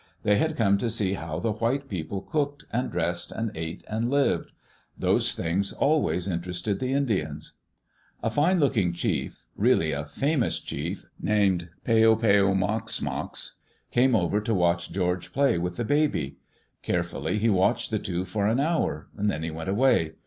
They had come to see how the white people cooked and dressed and ate and lived. Those things always interested the Indians. A fine looking chief — really a famous chief — named Peo Peo mox mox, came over to watch George play with the baby. Carefully he watched the two for an hour, then he went away.